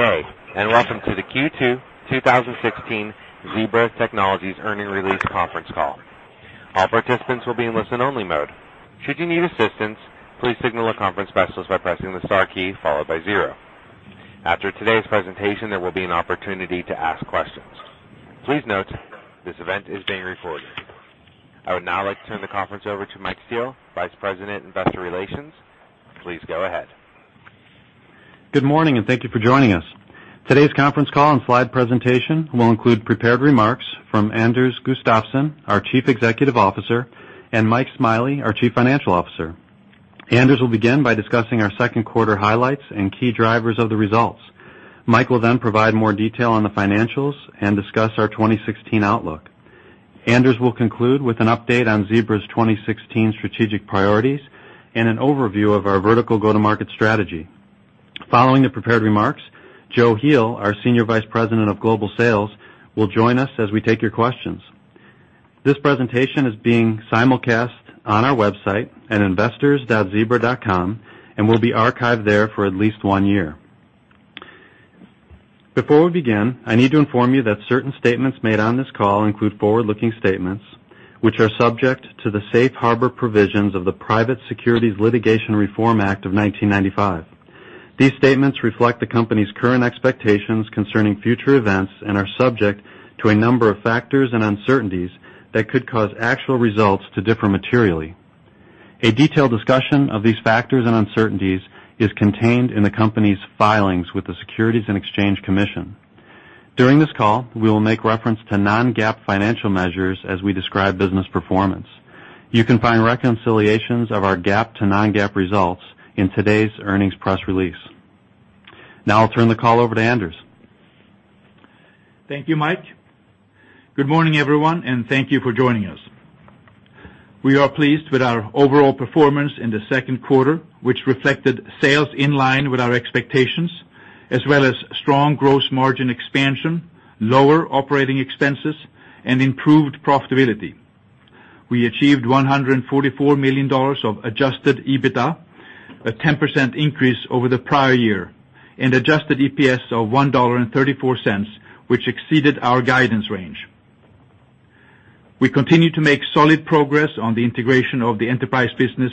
Good day, welcome to the Q2 2016 Zebra Technologies' earnings release conference call. All participants will be in listen only mode. Should you need assistance, please signal a conference specialist by pressing the star key followed by zero. After today's presentation, there will be an opportunity to ask questions. Please note this event is being recorded. I would now like to turn the conference over to Mike Steele, Vice President, Investor Relations. Please go ahead. Good morning, thank you for joining us. Today's conference call and slide presentation will include prepared remarks from Anders Gustafsson, our Chief Executive Officer, and Mike Smiley, our Chief Financial Officer. Anders will begin by discussing our second quarter highlights and key drivers of the results. Mike will provide more detail on the financials and discuss our 2016 outlook. Anders will conclude with an update on Zebra's 2016 strategic priorities and an overview of our vertical go-to-market strategy. Following the prepared remarks, Joe Heel, our Senior Vice President of Global Sales, will join us as we take your questions. This presentation is being simulcast on our website at investors.zebra.com and will be archived there for at least one year. Before we begin, I need to inform you that certain statements made on this call include forward-looking statements, which are subject to the safe harbor provisions of the Private Securities Litigation Reform Act of 1995. These statements reflect the company's current expectations concerning future events and are subject to a number of factors and uncertainties that could cause actual results to differ materially. A detailed discussion of these factors and uncertainties is contained in the company's filings with the Securities and Exchange Commission. During this call, we will make reference to non-GAAP financial measures as we describe business performance. You can find reconciliations of our GAAP to non-GAAP results in today's earnings press release. Now I'll turn the call over to Anders. Thank you, Mike. Good morning, everyone, thank you for joining us. We are pleased with our overall performance in the second quarter, which reflected sales in line with our expectations, as well as strong gross margin expansion, lower operating expenses, and improved profitability. We achieved $144 million of adjusted EBITDA, a 10% increase over the prior year, and adjusted EPS of $1.34, which exceeded our guidance range. We continue to make solid progress on the integration of the enterprise business.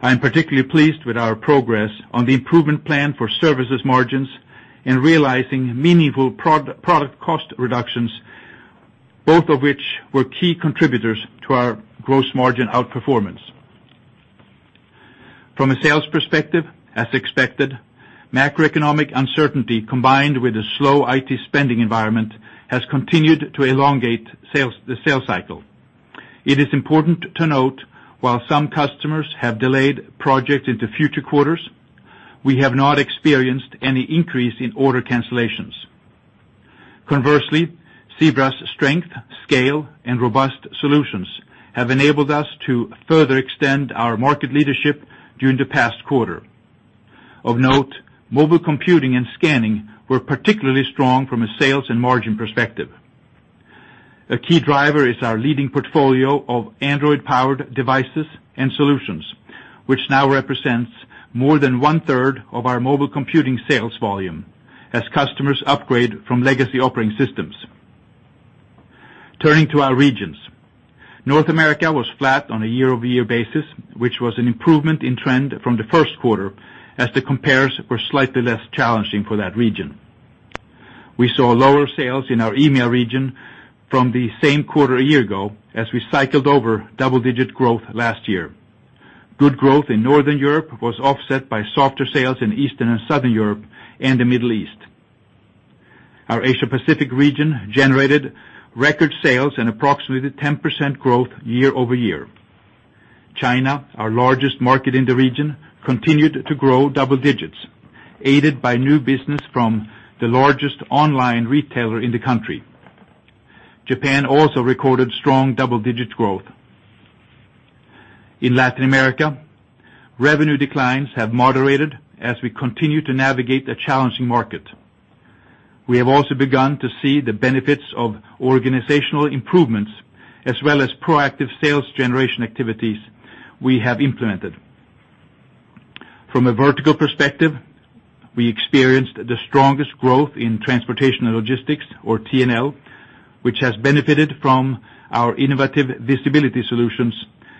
I am particularly pleased with our progress on the improvement plan for services margins in realizing meaningful product cost reductions, both of which were key contributors to our gross margin outperformance. From a sales perspective, as expected, macroeconomic uncertainty, combined with a slow IT spending environment, has continued to elongate the sales cycle. It is important to note while some customers have delayed projects into future quarters, we have not experienced any increase in order cancellations. Conversely, Zebra's strength, scale, and robust solutions have enabled us to further extend our market leadership during the past quarter. Of note, mobile computing and scanning were particularly strong from a sales and margin perspective. A key driver is our leading portfolio of Android-powered devices and solutions, which now represents more than one-third of our mobile computing sales volume as customers upgrade from legacy operating systems. Turning to our regions. North America was flat on a year-over-year basis, which was an improvement in trend from the first quarter as the compares were slightly less challenging for that region. We saw lower sales in our EMEA region from the same quarter a year ago as we cycled over double-digit growth last year. Good growth in Northern Europe was offset by softer sales in Eastern and Southern Europe and the Middle East. Our Asia Pacific region generated record sales and approximately 10% growth year-over-year. China, our largest market in the region, continued to grow double-digits, aided by new business from the largest online retailer in the country. Japan also recorded strong double-digit growth. In Latin America, revenue declines have moderated as we continue to navigate a challenging market. We have also begun to see the benefits of organizational improvements as well as proactive sales generation activities we have implemented. From a vertical perspective, we experienced the strongest growth in transportation and logistics, or T&L, which has benefited from our innovative visibility solutions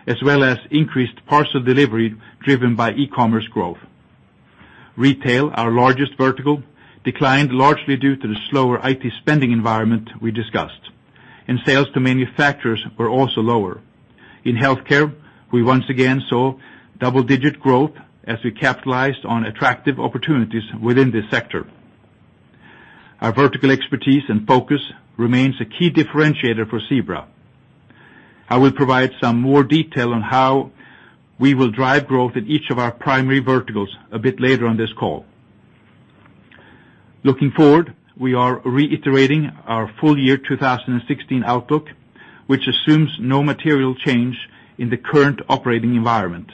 as well as increased parcel delivery driven by e-commerce growth. Retail, our largest vertical, declined largely due to the slower IT spending environment we discussed, and sales to manufacturers were also lower. In healthcare, we once again saw double-digit growth as we capitalized on attractive opportunities within this sector. Our vertical expertise and focus remains a key differentiator for Zebra. I will provide some more detail on how we will drive growth in each of our primary verticals a bit later on this call. Looking forward, we are reiterating our full year 2016 outlook, which assumes no material change in the current operating environment.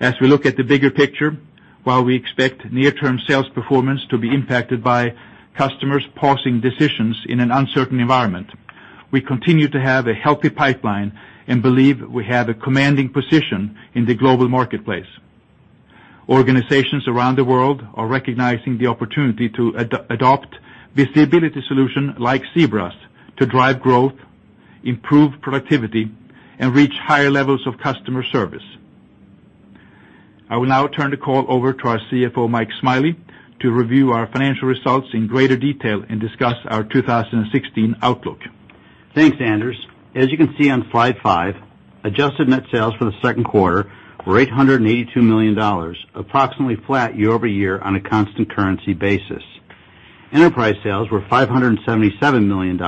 As we look at the bigger picture, while we expect near-term sales performance to be impacted by customers pausing decisions in an uncertain environment, we continue to have a healthy pipeline and believe we have a commanding position in the global marketplace. Organizations around the world are recognizing the opportunity to adopt visibility solution like Zebra's to drive growth, improve productivity, and reach higher levels of customer service. I will now turn the call over to our CFO, Mike Smiley, to review our financial results in greater detail and discuss our 2016 outlook. Thanks, Anders. As you can see on slide five, adjusted net sales for the second quarter were $882 million, approximately flat year-over-year on a constant currency basis. Enterprise sales were $577 million,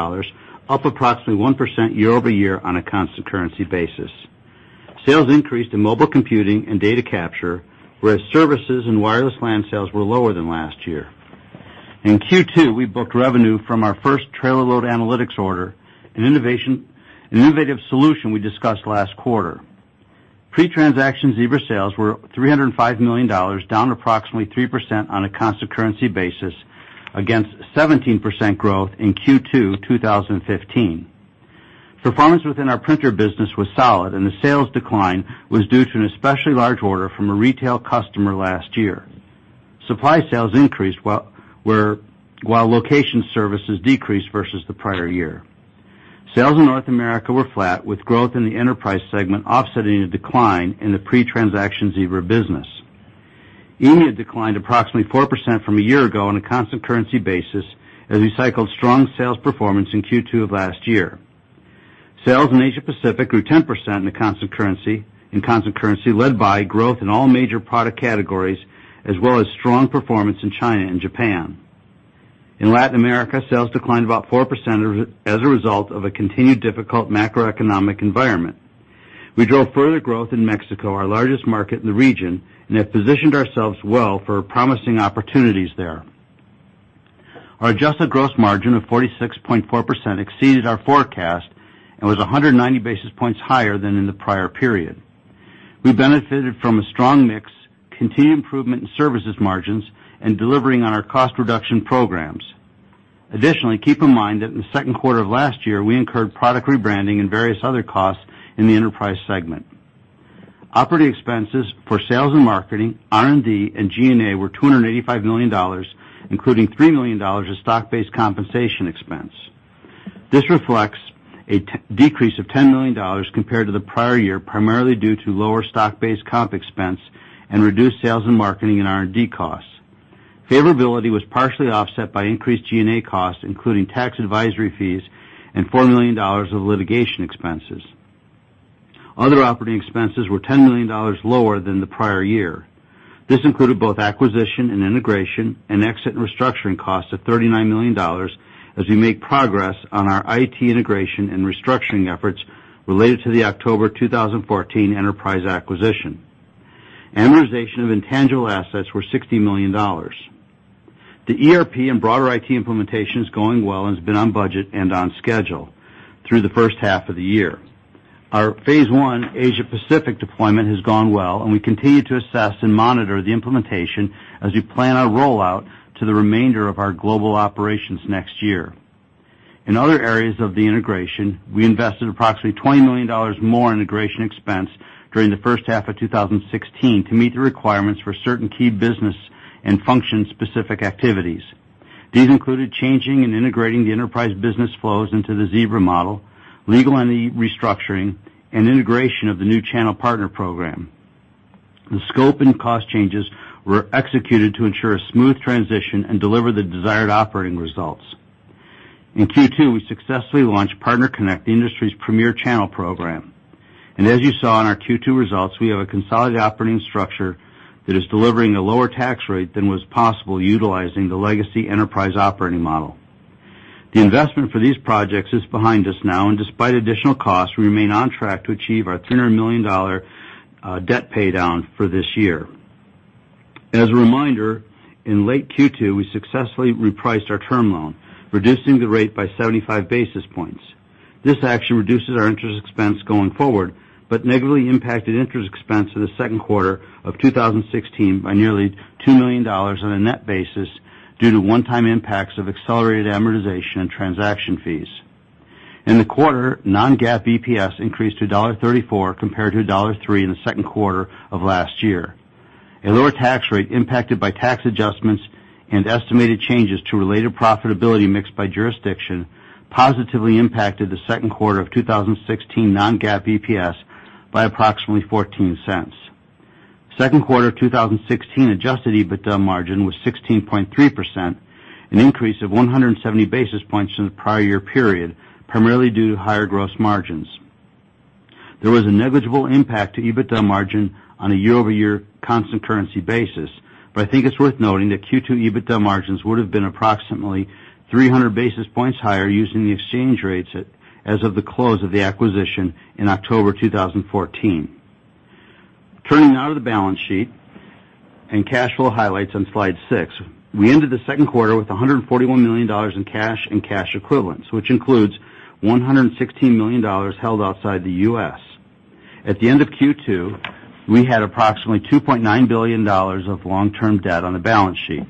up approximately 1% year-over-year on a constant currency basis. Sales increased in mobile computing and data capture, whereas services and wireless LAN sales were lower than last year. In Q2, we booked revenue from our first Trailer Load Analytics order, an innovative solution we discussed last quarter. Pre-transaction Zebra sales were $305 million, down approximately 3% on a constant currency basis against 17% growth in Q2 2015. Performance within our printer business was solid, and the sales decline was due to an especially large order from a retail customer last year. Supply sales increased while location services decreased versus the prior year. Sales in North America were flat, with growth in the enterprise segment offsetting a decline in the pre-transaction Zebra business. EMEA declined approximately 4% from a year ago on a constant currency basis as we cycled strong sales performance in Q2 of last year. Sales in Asia-Pacific grew 10% in constant currency, led by growth in all major product categories as well as strong performance in China and Japan. In Latin America, sales declined about 4% as a result of a continued difficult macroeconomic environment. We drove further growth in Mexico, our largest market in the region, and have positioned ourselves well for promising opportunities there. Our adjusted gross margin of 46.4% exceeded our forecast and was 190 basis points higher than in the prior period. We benefited from a strong mix, continued improvement in services margins, and delivering on our cost reduction programs. Additionally, keep in mind that in the second quarter of last year, we incurred product rebranding and various other costs in the enterprise segment. Operating expenses for sales and marketing, R&D, and G&A were $285 million, including $3 million of stock-based compensation expense. This reflects a decrease of $10 million compared to the prior year, primarily due to lower stock-based comp expense and reduced sales in marketing and R&D costs. Favorability was partially offset by increased G&A costs, including tax advisory fees and $4 million of litigation expenses. Other operating expenses were $10 million lower than the prior year. This included both acquisition and integration and exit and restructuring costs of $39 million as we make progress on our IT integration and restructuring efforts related to the October 2014 enterprise acquisition. Amortization of intangible assets were $60 million. The ERP and broader IT implementation is going well and has been on budget and on schedule through the first half of the year. Our phase one Asia-Pacific deployment has gone well, and we continue to assess and monitor the implementation as we plan our rollout to the remainder of our global operations next year. In other areas of the integration, we invested approximately $20 million more in integration expense during the first half of 2016 to meet the requirements for certain key business and function-specific activities. These included changing and integrating the enterprise business flows into the Zebra model, legal and restructuring, and integration of the new channel partner program. The scope and cost changes were executed to ensure a smooth transition and deliver the desired operating results. In Q2, we successfully launched PartnerConnect, the industry's premier channel program. As you saw in our Q2 results, we have a consolidated operating structure that is delivering a lower tax rate than was possible utilizing the legacy enterprise operating model. The investment for these projects is behind us now, and despite additional costs, we remain on track to achieve our $300 million debt paydown for this year. As a reminder, in late Q2, we successfully repriced our term loan, reducing the rate by 75 basis points. This action reduces our interest expense going forward but negatively impacted interest expense for the second quarter of 2016 by nearly $2 million on a net basis due to one-time impacts of accelerated amortization and transaction fees. In the quarter, non-GAAP EPS increased to $1.34 compared to $1.03 in the second quarter of last year. A lower tax rate impacted by tax adjustments and estimated changes to related profitability mixed by jurisdiction positively impacted the second quarter of 2016 non-GAAP EPS by approximately $0.14. Second quarter 2016 adjusted EBITDA margin was 16.3%, an increase of 170 basis points from the prior year period, primarily due to higher gross margins. There was a negligible impact to EBITDA margin on a year-over-year constant currency basis, but I think it's worth noting that Q2 EBITDA margins would have been approximately 300 basis points higher using the exchange rates as of the close of the acquisition in October 2014. Turning now to the balance sheet and cash flow highlights on slide six. We ended the second quarter with $141 million in cash and cash equivalents, which includes $116 million held outside the U.S. At the end of Q2, we had approximately $2.9 billion of long-term debt on the balance sheet.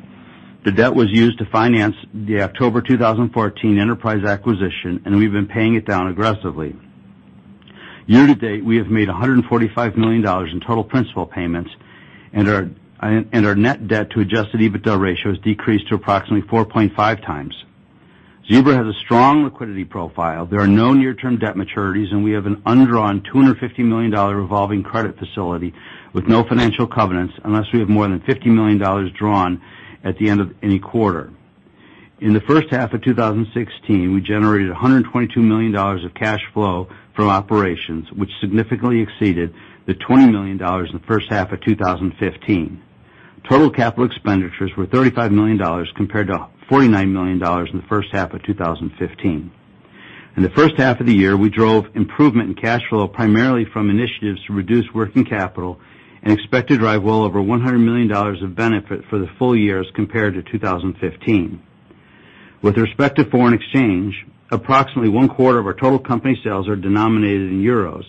The debt was used to finance the October 2014 enterprise acquisition, and we've been paying it down aggressively. Year-to-date, we have made $145 million in total principal payments, and our net debt to adjusted EBITDA ratio has decreased to approximately 4.5 times. Zebra has a strong liquidity profile. There are no near-term debt maturities, and we have an undrawn $250 million revolving credit facility with no financial covenants unless we have more than $50 million drawn at the end of any quarter. In the first half of 2016, we generated $122 million of cash flow from operations, which significantly exceeded the $20 million in the first half of 2015. Total capital expenditures were $35 million, compared to $49 million in the first half of 2015. In the first half of the year, we drove improvement in cash flow primarily from initiatives to reduce working capital and expect to drive well over $100 million of benefit for the full year compared to 2015. With respect to foreign exchange, approximately one-quarter of our total company sales are denominated in EUR,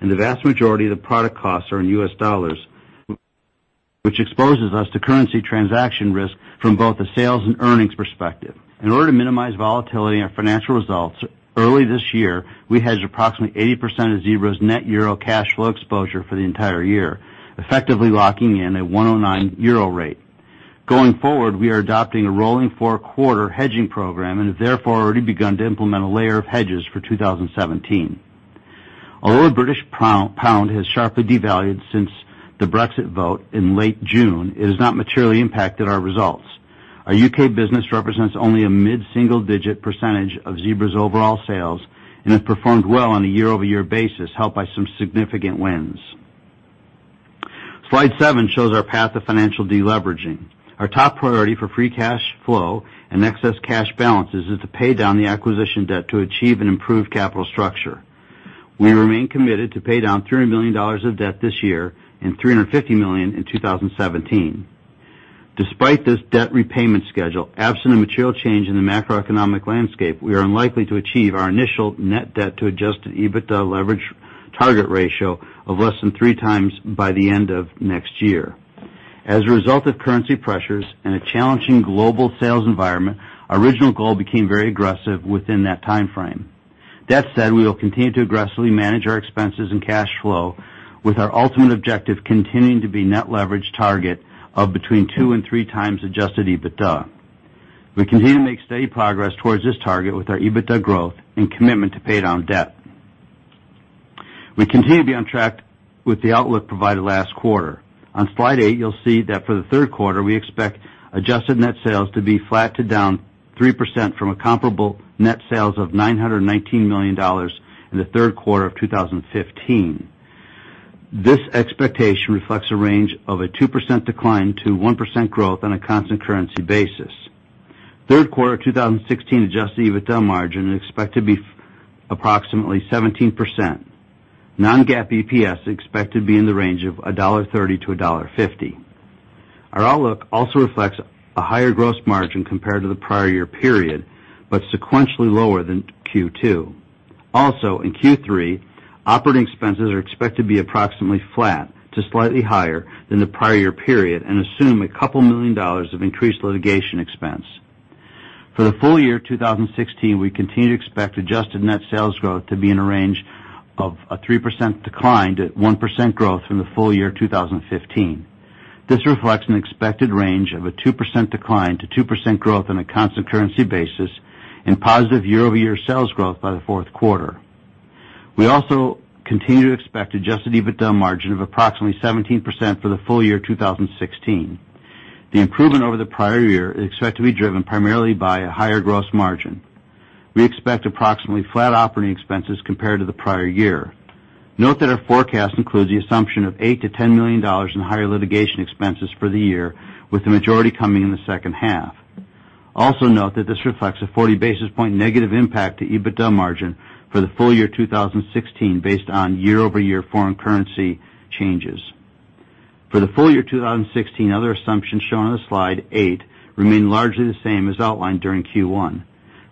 and the vast majority of the product costs are in USD, which exposes us to currency transaction risk from both a sales and earnings perspective. In order to minimize volatility in our financial results, early this year, we hedged approximately 80% of Zebra's net EUR cash flow exposure for the entire year, effectively locking in a 109 euro rate. Going forward, we are adopting a rolling four-quarter hedging program and have therefore already begun to implement a layer of hedges for 2017. Although the British pound has sharply devalued since the Brexit vote in late June, it has not materially impacted our results. Our U.K. business represents only a mid-single-digit percentage of Zebra's overall sales and has performed well on a year-over-year basis, helped by some significant wins. Slide seven shows our path to financial deleveraging. Our top priority for free cash flow and excess cash balances is to pay down the acquisition debt to achieve an improved capital structure. We remain committed to pay down $300 million of debt this year and $350 million in 2017. Despite this debt repayment schedule, absent a material change in the macroeconomic landscape, we are unlikely to achieve our initial net debt to adjusted EBITDA leverage target ratio of less than three times by the end of next year. As a result of currency pressures and a challenging global sales environment, our original goal became very aggressive within that timeframe. That said, we will continue to aggressively manage our expenses and cash flow, with our ultimate objective continuing to be net leverage target of between two and three times adjusted EBITDA. We continue to make steady progress towards this target with our EBITDA growth and commitment to pay down debt. We continue to be on track with the outlook provided last quarter. On slide eight, you'll see that for the third quarter, we expect adjusted net sales to be flat to down 3% from a comparable net sales of $919 million in the third quarter of 2015. This expectation reflects a range of a 2% decline to 1% growth on a constant currency basis. Third quarter 2016 adjusted EBITDA margin is expected to be approximately 17%. Non-GAAP EPS is expected to be in the range of $1.30 to $1.50. Our outlook also reflects a higher gross margin compared to the prior year period, but sequentially lower than Q2. Also in Q3, operating expenses are expected to be approximately flat to slightly higher than the prior year period and assume a couple million dollars of increased litigation expense. For the full year 2016, we continue to expect adjusted net sales growth to be in a range of a 3% decline to 1% growth from the full year 2015. This reflects an expected range of a 2% decline to 2% growth on a constant currency basis and positive year-over-year sales growth by the fourth quarter. We also continue to expect adjusted EBITDA margin of approximately 17% for the full year 2016. The improvement over the prior year is expected to be driven primarily by a higher gross margin. We expect approximately flat operating expenses compared to the prior year. Note that our forecast includes the assumption of $8 million-$10 million in higher litigation expenses for the year, with the majority coming in the second half. Also note that this reflects a 40 basis point negative impact to EBITDA margin for the full year 2016 based on year-over-year foreign currency changes. For the full year 2016, other assumptions shown on slide eight remain largely the same as outlined during Q1.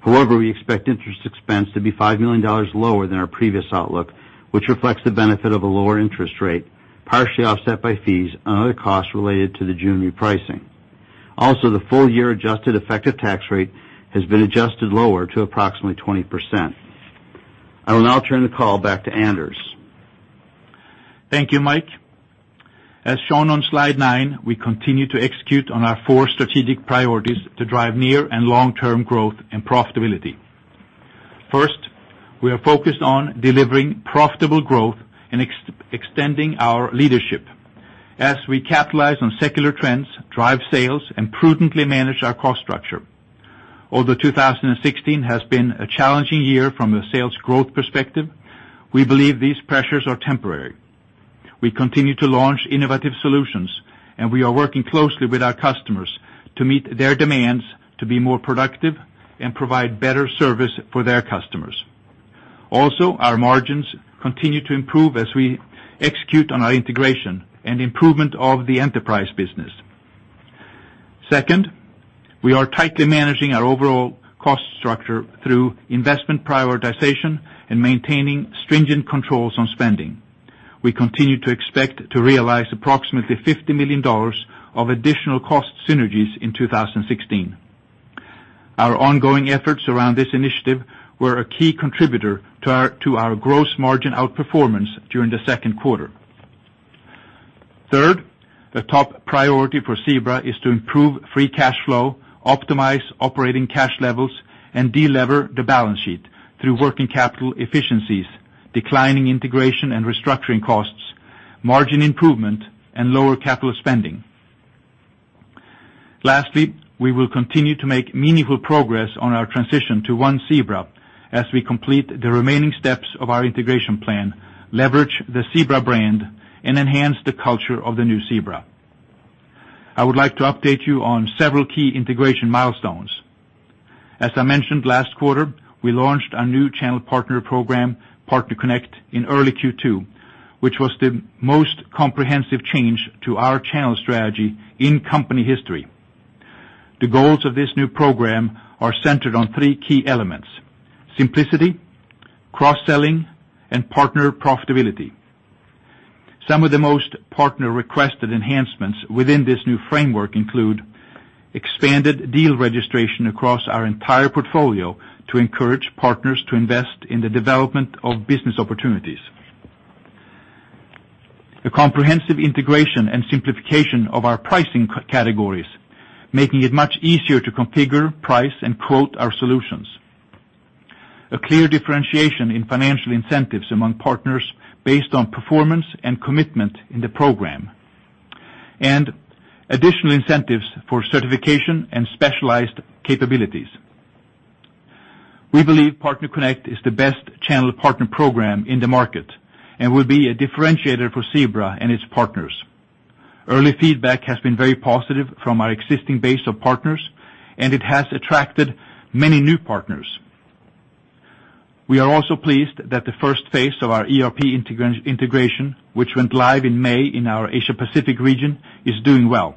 However, we expect interest expense to be $5 million lower than our previous outlook, which reflects the benefit of a lower interest rate, partially offset by fees and other costs related to the June repricing. Also, the full-year adjusted effective tax rate has been adjusted lower to approximately 20%. I will now turn the call back to Anders. Thank you, Mike. As shown on slide nine, we continue to execute on our four strategic priorities to drive near and long-term growth and profitability. First, we are focused on delivering profitable growth and extending our leadership as we capitalize on secular trends, drive sales, and prudently manage our cost structure. Although 2016 has been a challenging year from a sales growth perspective, we believe these pressures are temporary. We continue to launch innovative solutions, and we are working closely with our customers to meet their demands to be more productive and provide better service for their customers. Also, our margins continue to improve as we execute on our integration and improvement of the enterprise business. Second, we are tightly managing our overall cost structure through investment prioritization and maintaining stringent controls on spending. We continue to expect to realize approximately $50 million of additional cost synergies in 2016. Our ongoing efforts around this initiative were a key contributor to our gross margin outperformance during the second quarter. Third, the top priority for Zebra is to improve free cash flow, optimize operating cash levels, and delever the balance sheet through working capital efficiencies, declining integration and restructuring costs, margin improvement, and lower capital spending. Lastly, we will continue to make meaningful progress on our transition to One Zebra as we complete the remaining steps of our integration plan, leverage the Zebra brand, and enhance the culture of the new Zebra. I would like to update you on several key integration milestones. As I mentioned last quarter, we launched our new channel partner program, PartnerConnect, in early Q2, which was the most comprehensive change to our channel strategy in company history. The goals of this new program are centered on three key elements: simplicity, cross-selling, and partner profitability. Some of the most partner-requested enhancements within this new framework include expanded deal registration across our entire portfolio to encourage partners to invest in the development of business opportunities. A comprehensive integration and simplification of our pricing categories, making it much easier to configure, price, and quote our solutions. A clear differentiation in financial incentives among partners based on performance and commitment in the program. Additional incentives for certification and specialized capabilities. We believe PartnerConnect is the best channel partner program in the market and will be a differentiator for Zebra and its partners. Early feedback has been very positive from our existing base of partners, and it has attracted many new partners. We are also pleased that the first phase of our ERP integration, which went live in May in our Asia Pacific region, is doing well.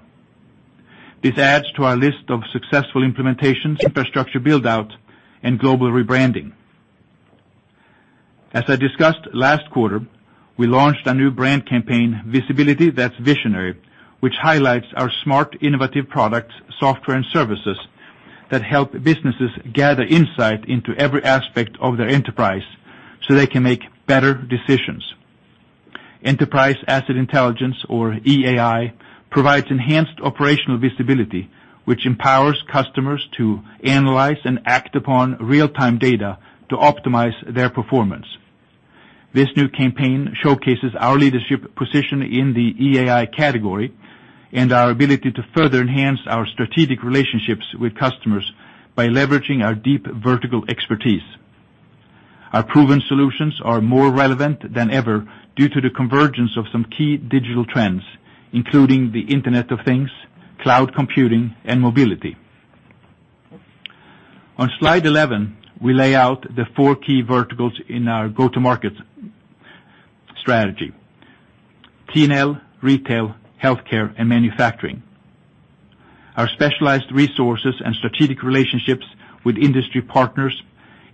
This adds to our list of successful implementations, infrastructure build-out, and global rebranding. As I discussed last quarter, we launched a new brand campaign, Visibility That's Visionary, which highlights our smart, innovative products, software, and services that help businesses gather insight into every aspect of their enterprise so they can make better decisions. Enterprise Asset Intelligence, or EAI, provides enhanced operational visibility, which empowers customers to analyze and act upon real-time data to optimize their performance. This new campaign showcases our leadership position in the EAI category and our ability to further enhance our strategic relationships with customers by leveraging our deep vertical expertise. Our proven solutions are more relevant than ever due to the convergence of some key digital trends, including the Internet of Things, cloud computing, and mobility. On slide 11, we lay out the four key verticals in our go-to-market strategy: T&L, retail, healthcare, and manufacturing. Our specialized resources and strategic relationships with industry partners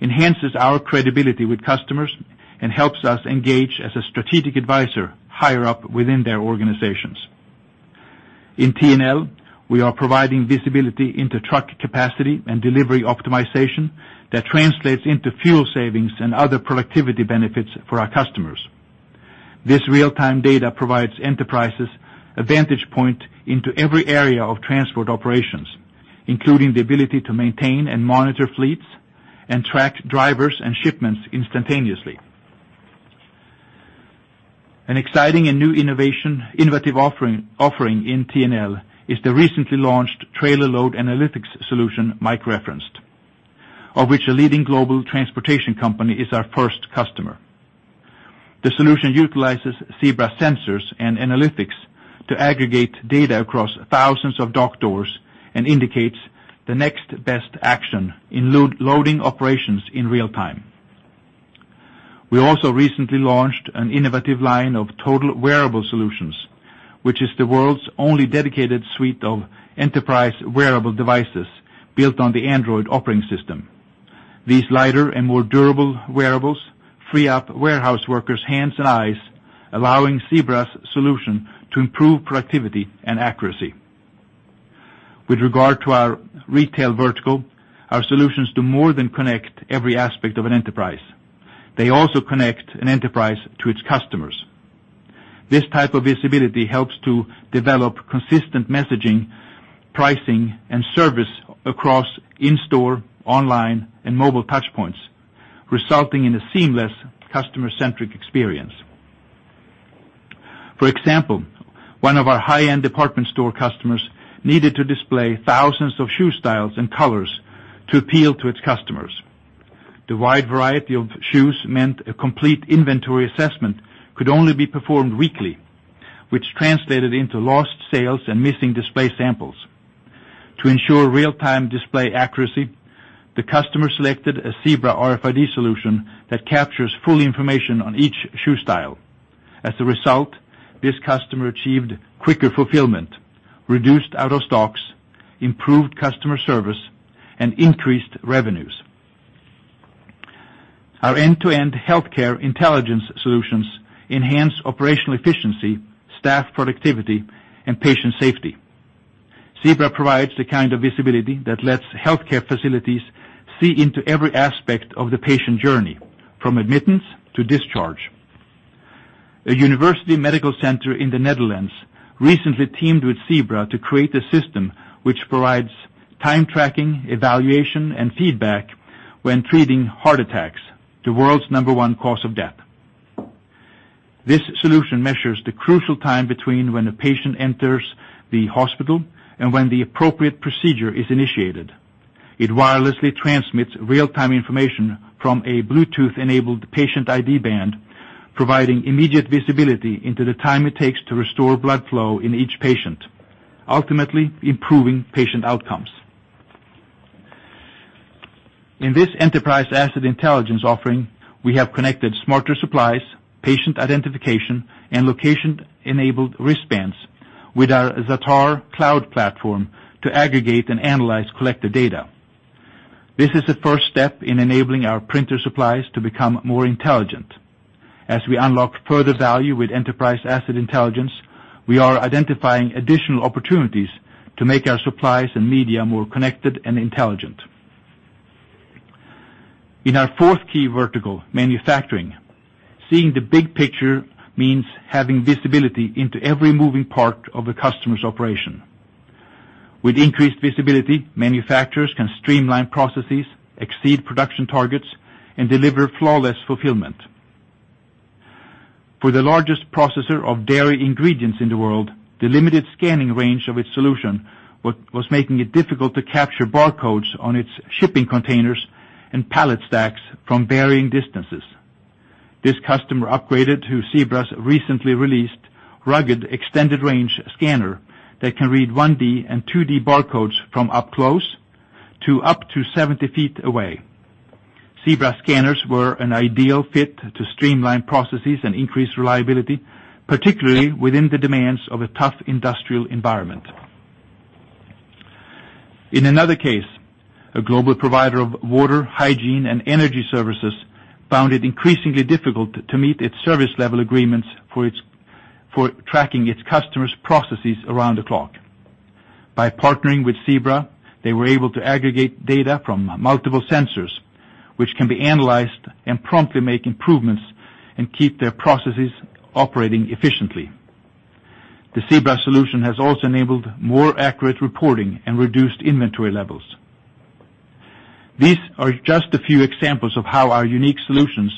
enhances our credibility with customers and helps us engage as a strategic advisor higher up within their organizations. In T&L, we are providing visibility into truck capacity and delivery optimization that translates into fuel savings and other productivity benefits for our customers. This real-time data provides enterprises a vantage point into every area of transport operations, including the ability to maintain and monitor fleets and track drivers and shipments instantaneously. An exciting and new innovative offering in T&L is the recently launched Trailer Load Analytics solution Mike referenced, of which a leading global transportation company is our first customer. The solution utilizes Zebra sensors and analytics to aggregate data across thousands of dock doors and indicates the next best action in loading operations in real time. We also recently launched an innovative line of total wearable solutions, which is the world's only dedicated suite of enterprise wearable devices built on the Android operating system. These lighter and more durable wearables free up warehouse workers' hands and eyes, allowing Zebra's solution to improve productivity and accuracy. With regard to our retail vertical, our solutions do more than connect every aspect of an enterprise. They also connect an enterprise to its customers. This type of visibility helps to develop consistent messaging, pricing, and service across in-store, online, and mobile touchpoints, resulting in a seamless customer-centric experience. For example, one of our high-end department store customers needed to display thousands of shoe styles and colors to appeal to its customers. The wide variety of shoes meant a complete inventory assessment could only be performed weekly, which translated into lost sales and missing display samples. To ensure real-time display accuracy, the customer selected a Zebra RFID solution that captures full information on each shoe style. As a result, this customer achieved quicker fulfillment, reduced out-of-stocks, improved customer service, and increased revenues. Our end-to-end healthcare intelligence solutions enhance operational efficiency, staff productivity, and patient safety. Zebra provides the kind of visibility that lets healthcare facilities see into every aspect of the patient journey, from admittance to discharge. A university medical center in the Netherlands recently teamed with Zebra to create a system that provides time tracking, evaluation, and feedback when treating heart attacks, the world's number one cause of death. This solution measures the crucial time between when a patient enters the hospital and when the appropriate procedure is initiated. It wirelessly transmits real-time information from a Bluetooth-enabled patient ID band, providing immediate visibility into the time it takes to restore blood flow in each patient, ultimately improving patient outcomes. In this Enterprise Asset Intelligence offering, we have connected smarter supplies, patient identification, and location-enabled wristbands with our Zatar cloud platform to aggregate and analyze collected data. This is the first step in enabling our printer supplies to become more intelligent. As we unlock further value with Enterprise Asset Intelligence, we are identifying additional opportunities to make our supplies and media more connected and intelligent. In our fourth key vertical, manufacturing, seeing the big picture means having visibility into every moving part of a customer's operation. With increased visibility, manufacturers can streamline processes, exceed production targets, and deliver flawless fulfillment. For the largest processor of dairy ingredients in the world, the limited scanning range of its solution was making it difficult to capture barcodes on its shipping containers and pallet stacks from varying distances. This customer upgraded to Zebra's recently released rugged extended range scanner that can read 1D and 2D barcodes from up close to up to 70 feet away. Zebra scanners were an ideal fit to streamline processes and increase reliability, particularly within the demands of a tough industrial environment. In another case, a global provider of water, hygiene, and energy services found it increasingly difficult to meet its service level agreements for tracking its customers' processes around the clock. By partnering with Zebra, they were able to aggregate data from multiple sensors, which can be analyzed and promptly make improvements and keep their processes operating efficiently. The Zebra solution has also enabled more accurate reporting and reduced inventory levels. These are just a few examples of how our unique solutions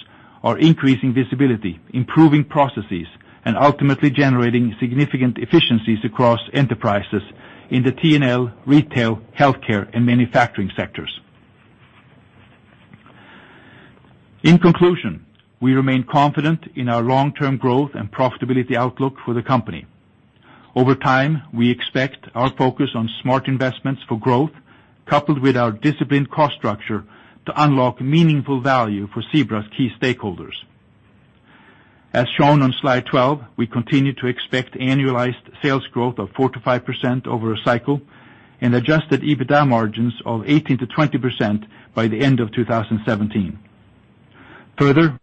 are increasing visibility, improving processes, and ultimately generating significant efficiencies across enterprises in the T&L, retail, healthcare, and manufacturing sectors. In conclusion, we remain confident in our long-term growth and profitability outlook for the company. Over time, we expect our focus on smart investments for growth, coupled with our disciplined cost structure, to unlock meaningful value for Zebra's key stakeholders. As shown on slide 12, we continue to expect annualized sales growth of 4%-5% over a cycle and adjusted EBITDA margins of 18%-20% by the end of 2017.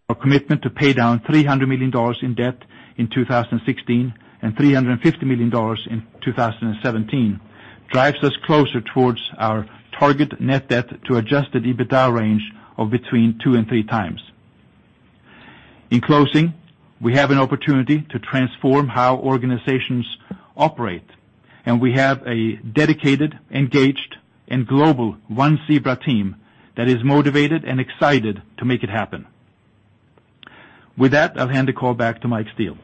Our commitment to pay down $300 million in debt in 2016 and $350 million in 2017 drives us closer towards our target net debt to adjusted EBITDA range of between two and three times. In closing, we have an opportunity to transform how organizations operate, and we have a dedicated, engaged, and global One Zebra team that is motivated and excited to make it happen. With that, I'll hand the call back to Mike Steele.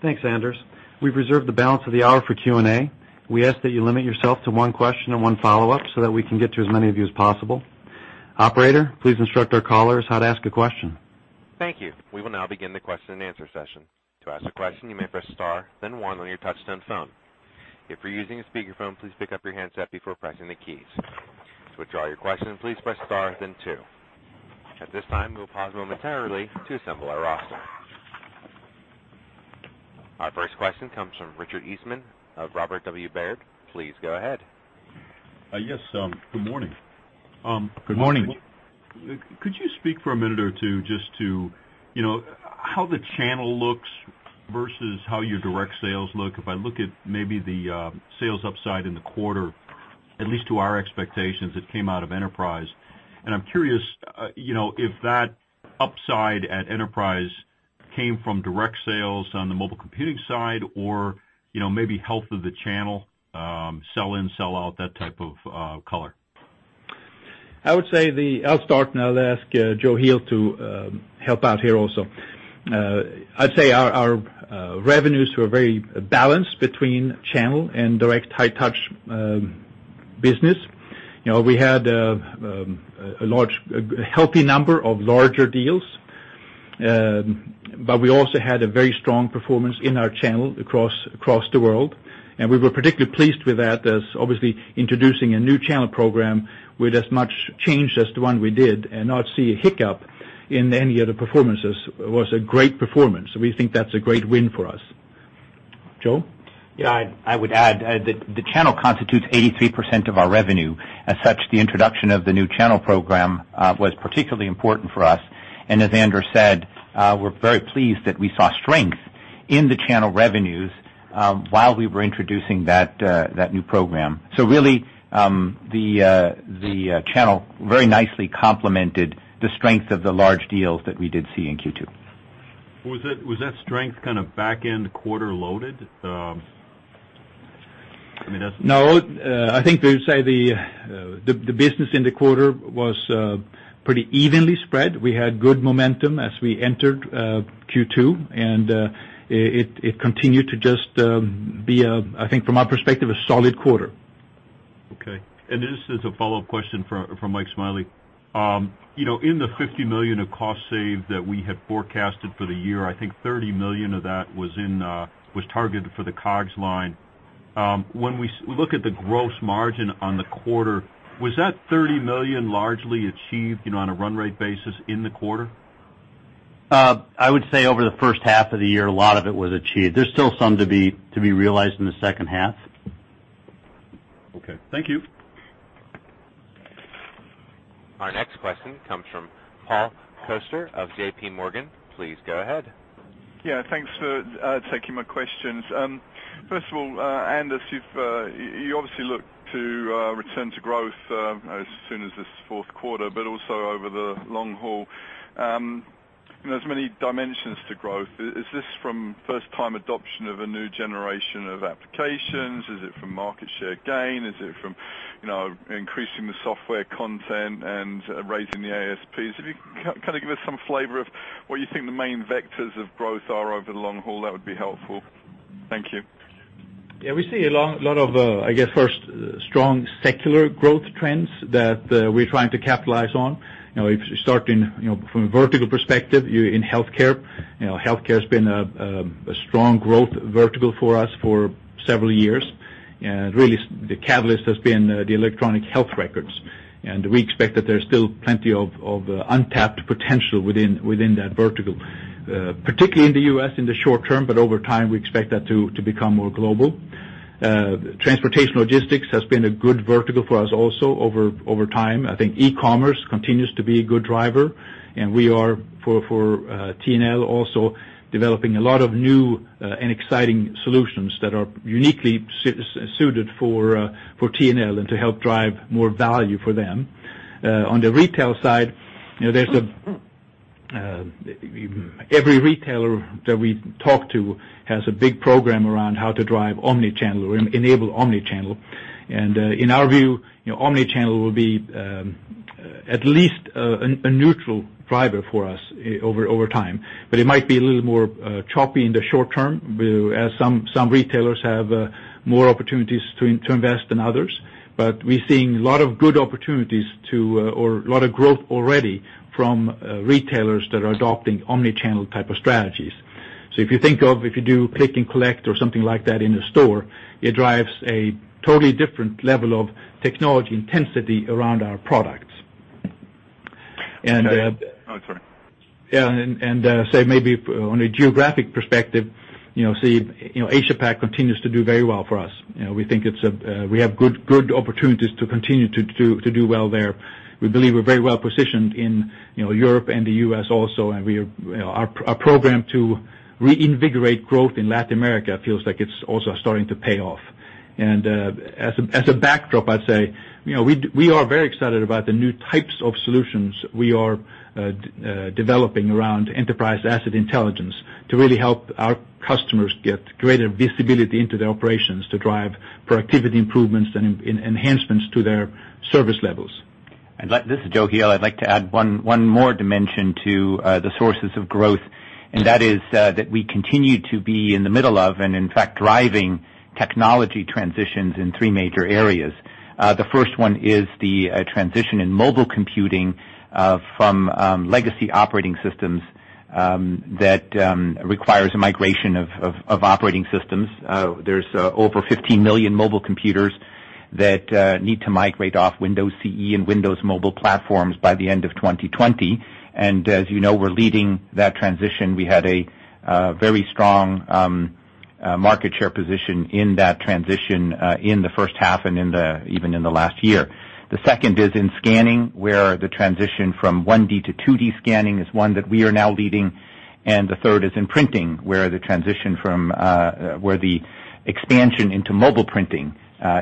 Thanks, Anders. We've reserved the balance of the hour for Q&A. We ask that you limit yourself to one question and one follow-up so that we can get to as many of you as possible. Operator, please instruct our callers how to ask a question. Thank you. We will now begin the question and answer session. To ask a question, you may press star then one on your touchtone phone. If you're using a speakerphone, please pick up your handset before pressing the keys. To withdraw your question, please press star then two. At this time, we'll pause momentarily to assemble our roster. Our first question comes from Richard Eastman of Robert W. Baird. Please go ahead. Yes, good morning. Good morning. Could you speak for a minute or two just to how the channel looks versus how your direct sales look? If I look at maybe the sales upside in the quarter, at least to our expectations, it came out of enterprise. I'm curious if that upside at enterprise came from direct sales on the mobile computing side or maybe health of the channel, sell in, sell out, that type of color. I'll start. I'll ask Joe Heel to help out here also. I'd say our revenues were very balanced between channel and direct high touch business. We had a healthy number of larger deals. We also had a very strong performance in our channel across the world. We were particularly pleased with that as obviously introducing a new channel program with as much change as the one we did and not see a hiccup in any of the performances was a great performance. We think that's a great win for us. Joe? Yeah, I would add that the channel constitutes 83% of our revenue. As such, the introduction of the new channel program was particularly important for us. As Anders said, we're very pleased that we saw strength in the channel revenues while we were introducing that new program. Really, the channel very nicely complemented the strength of the large deals that we did see in Q2. Was that strength kind of back-end quarter loaded? No, I think we would say the business in the quarter was pretty evenly spread. We had good momentum as we entered Q2. It continued to just be, I think from our perspective, a solid quarter. Okay. This is a follow-up question for Mike Smiley. In the $50 million of cost save that we had forecasted for the year, I think $30 million of that was targeted for the COGS line. When we look at the gross margin on the quarter, was that $30 million largely achieved on a run rate basis in the quarter? I would say over the first half of the year, a lot of it was achieved. There's still some to be realized in the second half. Okay. Thank you. Our next question comes from Paul Coster of JP Morgan. Please go ahead. Thanks for taking my questions. First of all, Anders, you obviously look to return to growth as soon as this fourth quarter, but also over the long haul. There's many dimensions to growth. Is this from first-time adoption of a new generation of applications? Is it from market share gain? Is it from increasing the software content and raising the ASPs? If you can kind of give us some flavor of what you think the main vectors of growth are over the long haul, that would be helpful. Thank you. We see a lot of, I guess first, strong secular growth trends that we're trying to capitalize on. If you start from a vertical perspective in healthcare. Healthcare's been a strong growth vertical for us for several years. Really the catalyst has been the electronic health records. We expect that there's still plenty of untapped potential within that vertical, particularly in the U.S. in the short term. Over time, we expect that to become more global. Transportation logistics has been a good vertical for us also over time. I think e-commerce continues to be a good driver, and we are, for T&L also, developing a lot of new and exciting solutions that are uniquely suited for T&L and to help drive more value for them. On the retail side, every retailer that we talk to has a big program around how to drive omni-channel or enable omni-channel. In our view, omni-channel will be at least a neutral driver for us over time. It might be a little more choppy in the short term as some retailers have more opportunities to invest than others. We're seeing a lot of good opportunities to, or a lot of growth already from retailers that are adopting omni-channel type of strategies. If you think of, if you do click and collect or something like that in a store, it drives a totally different level of technology intensity around our products. Okay. Oh, sorry. Yeah, say maybe on a geographic perspective, Asia-Pac continues to do very well for we think we have good opportunities to continue to do well there. We believe we're very well positioned in Europe and the U.S. also, our program to reinvigorate growth in Latin America feels like it's also starting to pay off. As a backdrop, I'd say we are very excited about the new types of solutions we are developing around Enterprise Asset Intelligence to really help our customers get greater visibility into their operations to drive productivity improvements and enhancements to their service levels. This is Joe Heel. I'd like to add one more dimension to the sources of growth, and that is that we continue to be in the middle of, and in fact, driving technology transitions in three major areas. The first one is the transition in mobile computing from legacy operating systems that requires a migration of operating systems. There's over 15 million mobile computers that need to migrate off Windows CE and Windows Mobile platforms by the end of 2020. As you know, we're leading that transition. We had a very strong market share position in that transition in the first half and even in the last year. The second is in scanning, where the transition from 1D to 2D scanning is one that we are now leading. The third is in printing, where the expansion into mobile printing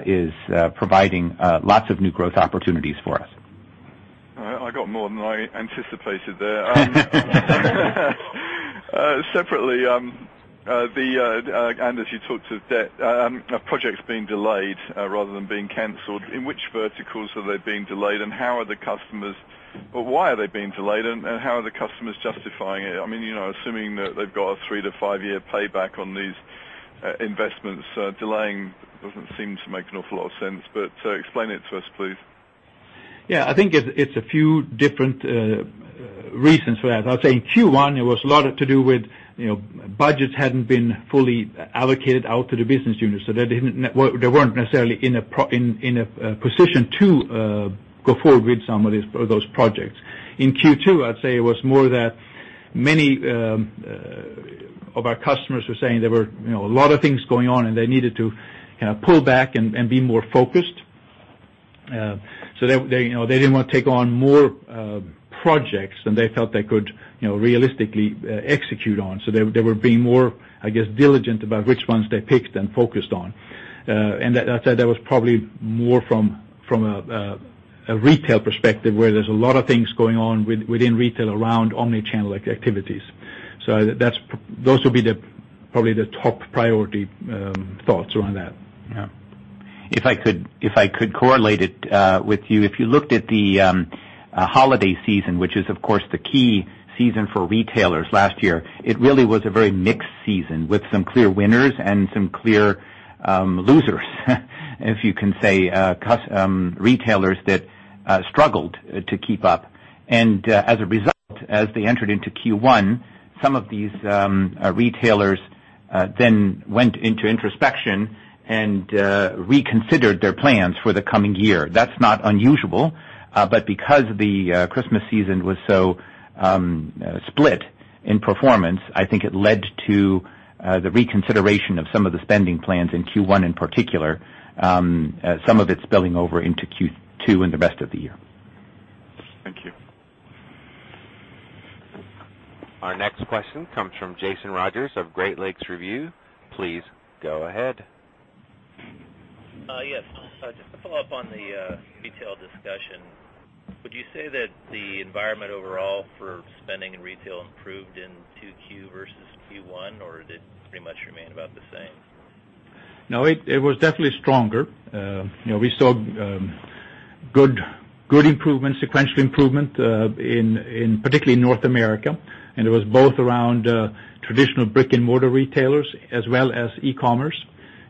is providing lots of new growth opportunities for us. I got more than I anticipated there. Separately, Anders, you talked to projects being delayed rather than being canceled. In which verticals are they being delayed, and how are the customers-- or why are they being delayed, and how are the customers justifying it? Assuming that they've got a three to five-year payback on these investments, delaying doesn't seem to make an awful lot of sense. Explain it to us, please. I think it's a few different reasons for that. I would say in Q1, it was a lot to do with budgets hadn't been fully allocated out to the business units, so they weren't necessarily in a position to go forward with some of those projects. In Q2, I'd say it was more that many of our customers were saying there were a lot of things going on, and they needed to pull back and be more focused. They didn't want to take on more projects than they felt they could realistically execute on. They were being more, I guess, diligent about which ones they picked and focused on. That was probably more from a retail perspective, where there's a lot of things going on within retail around omni-channel activities. Those would be probably the top priority thoughts around that. If I could correlate it with you, if you looked at the holiday season, which is, of course, the key season for retailers last year, it really was a very mixed season with some clear winners and some clear losers if you can say, retailers that struggled to keep up. As a result, as they entered into Q1, some of these retailers then went into introspection and reconsidered their plans for the coming year. That's not unusual. Because the Christmas season was so split in performance, I think it led to the reconsideration of some of the spending plans in Q1 in particular, some of it spilling over into Q2 and the rest of the year. Thank you. Our next question comes from Jason Rodgers of Great Lakes Review. Please go ahead. Yes. Just to follow up on the retail discussion, would you say that the environment overall for spending in retail improved in 2Q versus Q1, or did it pretty much remain about the same? No, it was definitely stronger. We saw good improvement, sequential improvement, particularly in North America, and it was both around traditional brick-and-mortar retailers as well as e-commerce.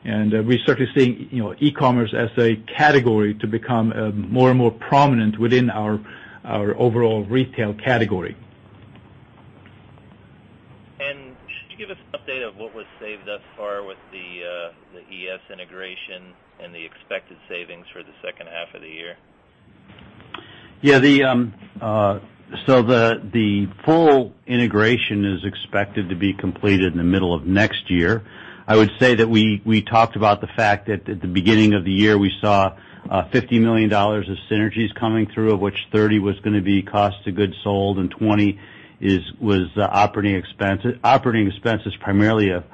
We're certainly seeing e-commerce as a category to become more and more prominent within our overall retail category. Could you give us an update of what was saved thus far with the ES integration and the expected savings for the second half of the year? Yeah. The full integration is expected to be completed in the middle of next year. I would say that we talked about the fact that at the beginning of the year, we saw $50 million of synergies coming through, of which $30 million was going to be cost of goods sold and $20 million was operating expense. Operating expense is primarily a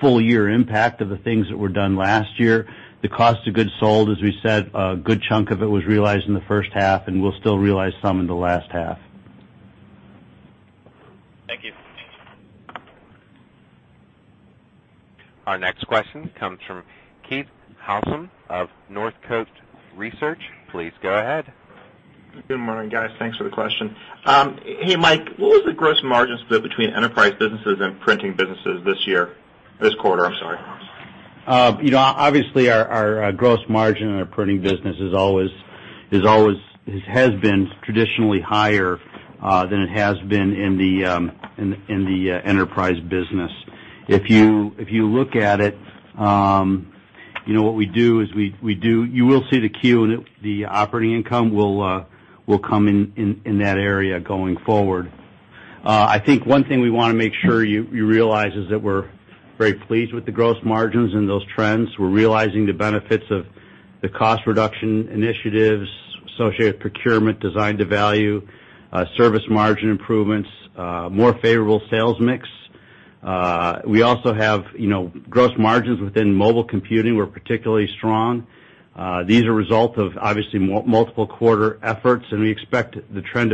full-year impact of the things that were done last year. The cost of goods sold, as we said, a good chunk of it was realized in the first half, and we'll still realize some in the last half. Thank you. Our next question comes from Keith Housum of Northcoast Research. Please go ahead. Good morning, guys. Thanks for the question. Hey, Mike, what was the gross margin split between enterprise businesses and printing businesses this quarter? Obviously, our gross margin in our printing business has been traditionally higher than it has been in the enterprise business. If you look at it, what we do is you will see the operating income will come in that area going forward. I think one thing we want to make sure you realize is that we're very pleased with the gross margins and those trends. We're realizing the benefits of the cost reduction initiatives associated with procurement, design to value, service margin improvements, more favorable sales mix. We also have gross margins within mobile computing were particularly strong. These are a result of obviously multiple quarter efforts, and we expect the trend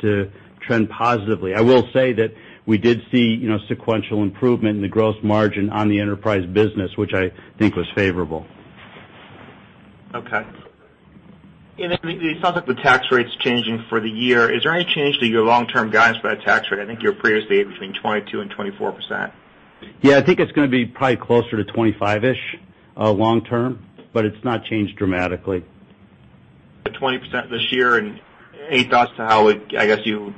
to trend positively. I will say that we did see sequential improvement in the gross margin on the enterprise business, which I think was favorable. Okay. Then we saw that the tax rate's changing for the year. Is there any change to your long-term guidance by the tax rate? I think you previously between 22% and 24%. Yeah, I think it's going to be probably closer to 25-ish long term, it's not changed dramatically. 20% this year, any thoughts to how it, I guess you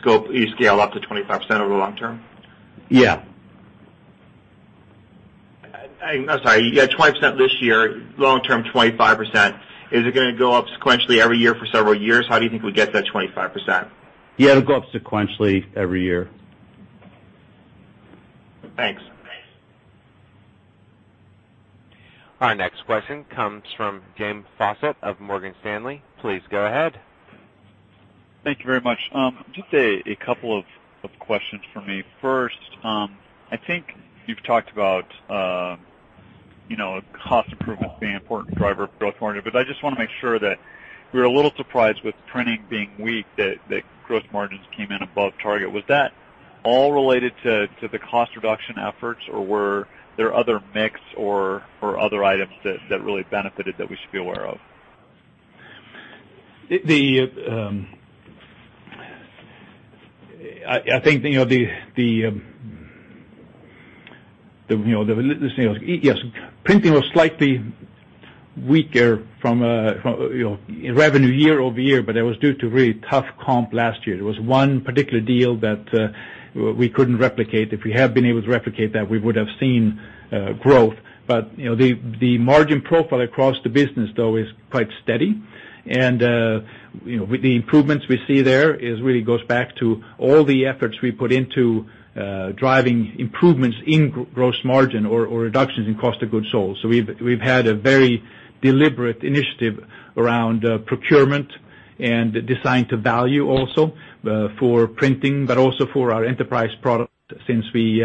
scale up to 25% over the long term? Yeah. I'm sorry. You had 20% this year, long term, 25%. Is it going to go up sequentially every year for several years? How do you think we get to that 25%? Yeah, it'll go up sequentially every year. Thanks. Our next question comes from James Faucette of Morgan Stanley. Please go ahead. Thank you very much. Just a couple of questions for me. First, I think you've talked about cost improvements being an important driver of gross margin, but I just want to make sure that we were a little surprised with printing being weak, that gross margins came in above target. Was that all related to the cost reduction efforts, or were there other mix or other items that really benefited that we should be aware of? I think the printing was slightly weaker from a revenue year-over-year, but that was due to really tough comp last year. There was one particular deal that we couldn't replicate. If we had been able to replicate that, we would have seen growth. The margin profile across the business though, is quite steady. With the improvements we see there, it really goes back to all the efforts we put into driving improvements in gross margin or reductions in cost of goods sold. We've had a very deliberate initiative around procurement and design to value also for printing, but also for our enterprise product since we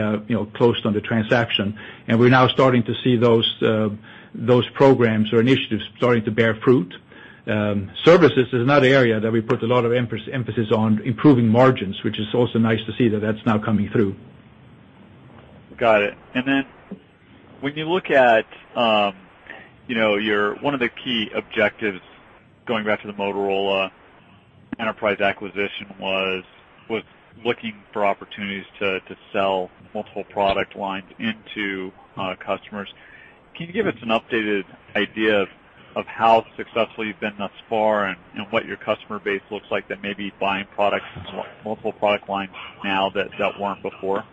closed on the transaction. We're now starting to see those programs or initiatives starting to bear fruit. Services is another area that we put a lot of emphasis on improving margins, which is also nice to see that that's now coming through. Got it. When you look at one of the key objectives going back to the Motorola enterprise acquisition was looking for opportunities to sell multiple product lines into customers. Can you give us an updated idea of how successful you've been thus far and what your customer base looks like that may be buying products from multiple product lines now that weren't before?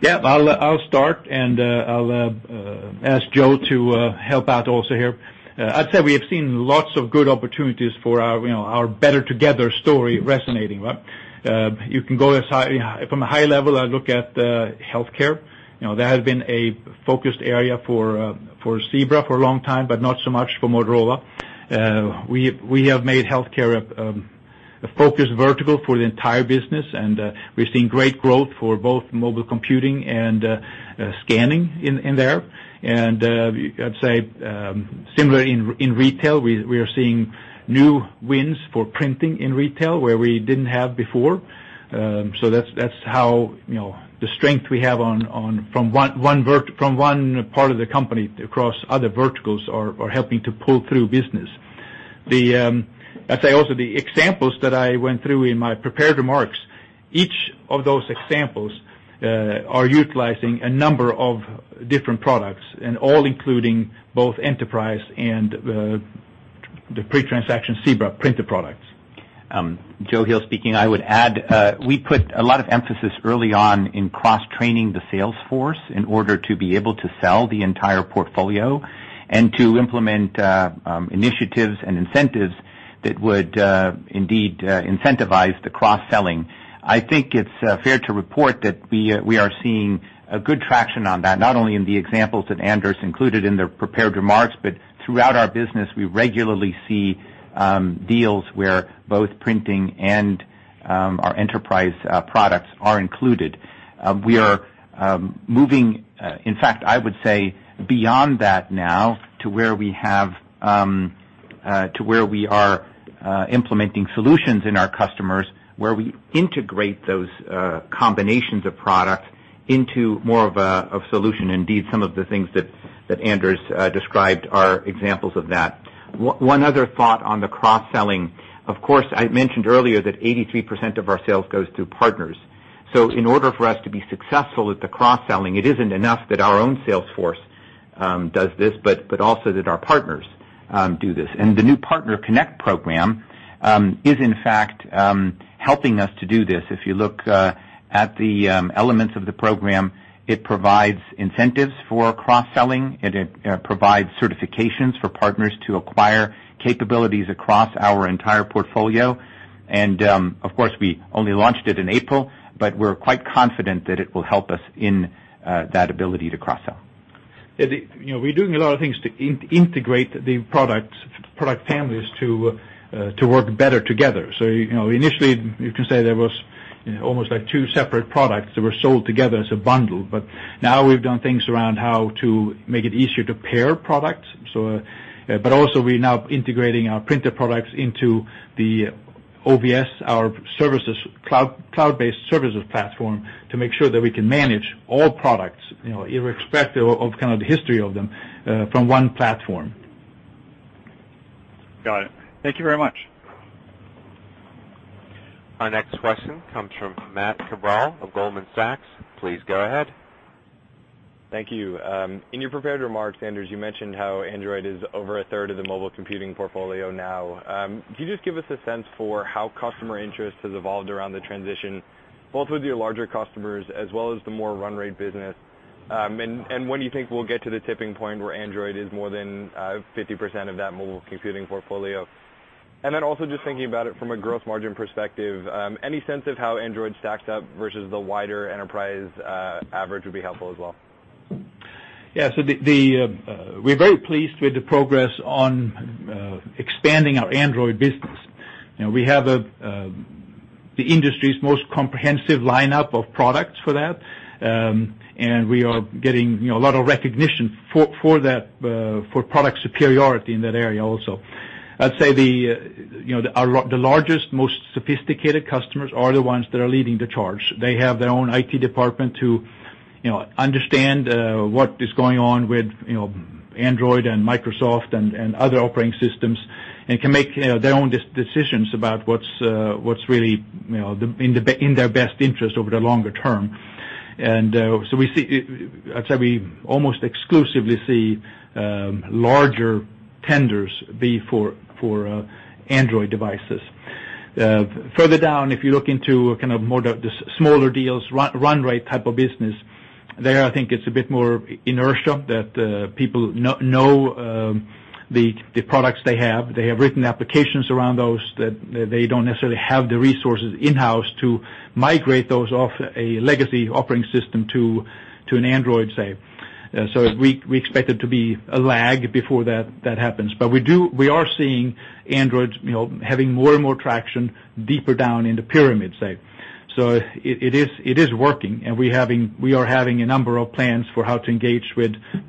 Yeah. I'll start, and I'll ask Joe to help out also here. I'd say we have seen lots of good opportunities for our better together story resonating. From a high level, I look at healthcare. That has been a focused area for Zebra for a long time, but not so much for Motorola. We have made healthcare a focused vertical for the entire business, and we've seen great growth for both mobile computing and scanning in there. I'd say, similar in retail, we are seeing new wins for printing in retail where we didn't have before. That's how the strength we have from one part of the company across other verticals are helping to pull through business. I'd say also, the examples that I went through in my prepared remarks, each of those examples are utilizing a number of different products and all including both enterprise and the pre-transaction Zebra printer products. Joe Heel speaking. I would add, we put a lot of emphasis early on in cross-training the sales force in order to be able to sell the entire portfolio and to implement initiatives and incentives that would indeed incentivize the cross-selling. I think it's fair to report that we are seeing a good traction on that, not only in the examples that Anders included in the prepared remarks, but throughout our business, we regularly see deals where both printing and our enterprise products are included. We are moving, in fact, I would say, beyond that now to where we are implementing solutions in our customers, where we integrate those combinations of products into more of a solution. Indeed, some of the things that Anders described are examples of that. One other thought on the cross-selling. Of course, I mentioned earlier that 83% of our sales goes through partners. In order for us to be successful with the cross-selling, it isn't enough that our own sales force does this, but also that our partners do this. The new PartnerConnect program is, in fact, helping us to do this. If you look at the elements of the program, it provides incentives for cross-selling. It provides certifications for partners to acquire capabilities across our entire portfolio. Of course, we only launched it in April, but we're quite confident that it will help us in that ability to cross-sell. We're doing a lot of things to integrate the product families to work better together. Initially, you can say there was almost two separate products that were sold together as a bundle. Now we've done things around how to make it easier to pair products. Also we're now integrating our printer products into the OVS, our cloud-based services platform, to make sure that we can manage all products, irrespective of kind of the history of them, from one platform. Got it. Thank you very much. Our next question comes from Matt Cabral of Goldman Sachs. Please go ahead. Thank you. In your prepared remarks, Anders, you mentioned how Android is over a third of the mobile computing portfolio now. When do you think we'll get to the tipping point where Android is more than 50% of that mobile computing portfolio? Then also just thinking about it from a gross margin perspective, any sense of how Android stacks up versus the wider enterprise average would be helpful as well. Yeah. We're very pleased with the progress on expanding our Android business. We have the industry's most comprehensive lineup of products for that, and we are getting a lot of recognition for product superiority in that area also. I'd say the largest, most sophisticated customers are the ones that are leading the charge. They have their own IT department to understand what is going on with Android and Microsoft and other operating systems, and can make their own decisions about what's really in their best interest over the longer term. I'd say we almost exclusively see larger tenders be for Android devices. Further down, if you look into kind of more the smaller deals, run rate type of business, there, I think it's a bit more inertia that people know the products they have. They have written applications around those, that they don't necessarily have the resources in-house to migrate those off a legacy operating system to an Android, say. We expect there to be a lag before that happens. We are seeing Android having more and more traction deeper down in the pyramid, say. It is working, and we are having a number of plans for how to engage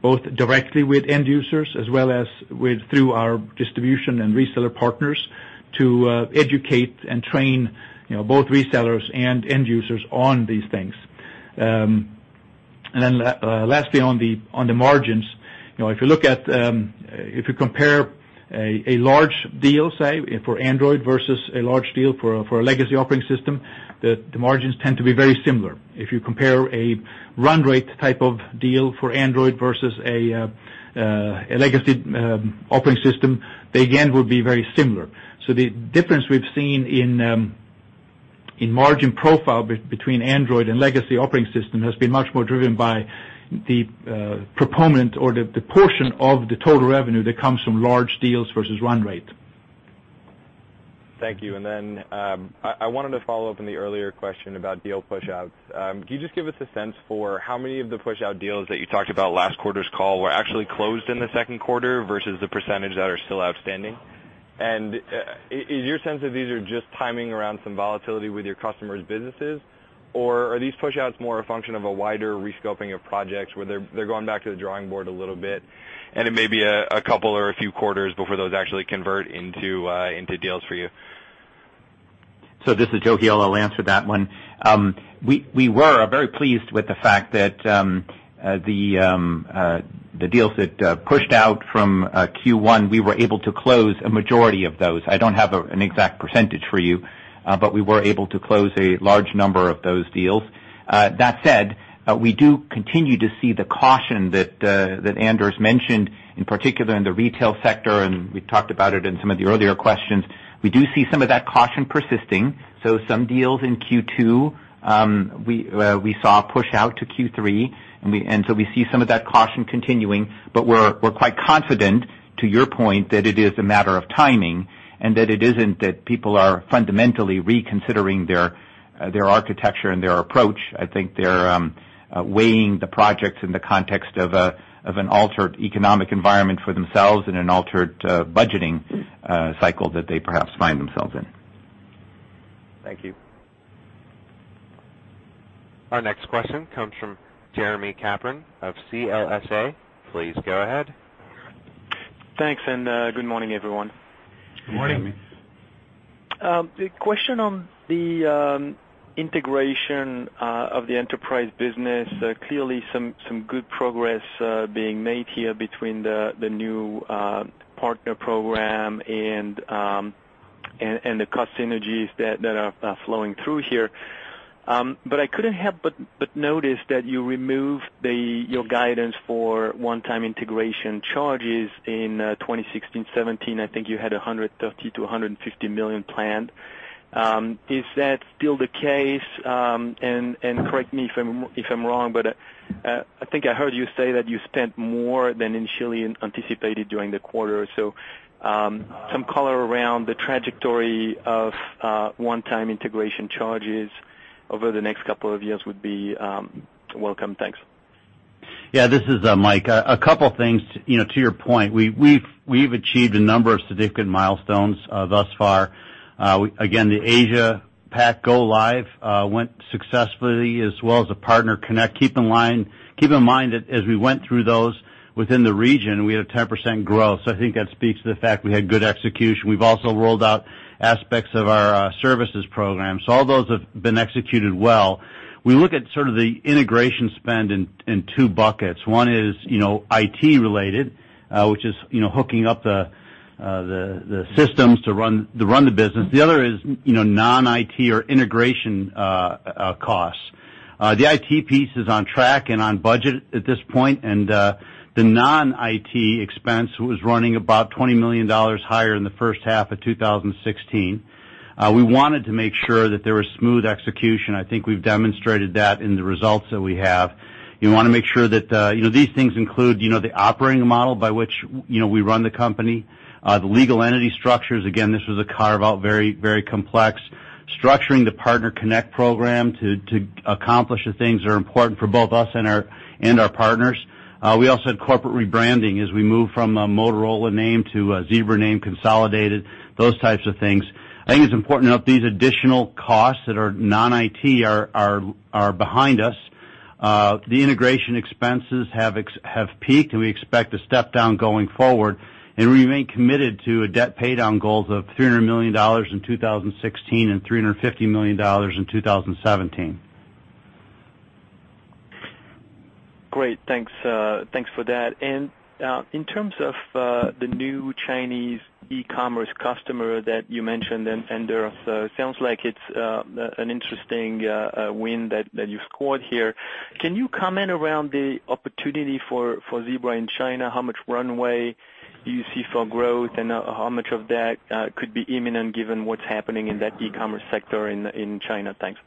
both directly with end users as well as through our distribution and reseller partners to educate and train both resellers and end users on these things. Then lastly, on the margins. If you compare a large deal, say, for Android versus a large deal for a legacy operating system, the margins tend to be very similar. If you compare a run rate type of deal for Android versus a legacy operating system, they again, would be very similar. The difference we've seen in margin profile between Android and legacy operating system has been much more driven by the proponent or the portion of the total revenue that comes from large deals versus run rate. Thank you. I wanted to follow up on the earlier question about deal pushouts. Can you just give us a sense for how many of the pushout deals that you talked about last quarter's call were actually closed in the second quarter versus the percentage that are still outstanding? Is your sense that these are just timing around some volatility with your customers' businesses? Or are these pushouts more a function of a wider re-scoping of projects where they're going back to the drawing board a little bit, and it may be a couple or a few quarters before those actually convert into deals for you? This is Joe Heel. I'll answer that one. We were very pleased with the fact that the deals that pushed out from Q1, we were able to close a majority of those. I don't have an exact percentage for you, but we were able to close a large number of those deals. That said, we do continue to see the caution that Anders mentioned, in particular in the retail sector, and we talked about it in some of the earlier questions. We do see some of that caution persisting. Some deals in Q2, we saw push out to Q3, we see some of that caution continuing. We're quite confident, to your point, that it is a matter of timing and that it isn't that people are fundamentally reconsidering their architecture and their approach. I think they're weighing the projects in the context of an altered economic environment for themselves in an altered budgeting cycle that they perhaps find themselves in. Thank you. Our next question comes from Jeremie Capron of CLSA. Please go ahead. Thanks, and good morning, everyone. Good morning. Good morning. A question on the integration of the enterprise business. Clearly some good progress being made here between the new partner program and the cost synergies that are flowing through here. I couldn't help but notice that you removed your guidance for one-time integration charges in 2016, 2017. I think you had $130 million-$150 million planned. Is that still the case? Correct me if I'm wrong, but I think I heard you say that you spent more than initially anticipated during the quarter. Some color around the trajectory of one-time integration charges over the next couple of years would be welcome. Thanks. Yeah, this is Mike. A couple things to your point. We've achieved a number of significant milestones thus far. Again, the Asia-PAC go live went successfully as well as the PartnerConnect. Keep in mind that as we went through those within the region, we had a 10% growth. I think that speaks to the fact we had good execution. We've also rolled out aspects of our services program. All those have been executed well. We look at sort of the integration spend in two buckets. One is, IT related, which is hooking up the systems to run the business. The other is non-IT or integration costs. The IT piece is on track and on budget at this point. The non-IT expense was running about $20 million higher in the first half of 2016. We wanted to make sure that there was smooth execution. I think we've demonstrated that in the results that we have. These things include the operating model by which we run the company, the legal entity structures. Again, this was a carve-out, very complex. Structuring the PartnerConnect program to accomplish the things that are important for both us and our partners. We also had corporate rebranding as we moved from a Motorola name to a Zebra name consolidated, those types of things. I think it's important to note these additional costs that are non-IT are behind us. The integration expenses have peaked, and we expect a step down going forward, and we remain committed to a debt pay down goals of $300 million in 2016 and $350 million in 2017. Great. Thanks for that. In terms of the new Chinese e-commerce customer that you mentioned, Anders, sounds like it's an interesting win that you scored here. Can you comment around the opportunity for Zebra in China? How much runway do you see for growth, and how much of that could be imminent given what's happening in that e-commerce sector in China? Thanks.